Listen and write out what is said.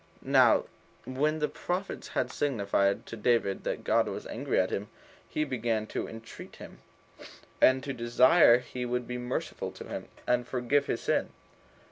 2. Now when the prophets had signified to David that God was angry at him, he began to entreat him, and to desire he would be merciful to him, and forgive his sin.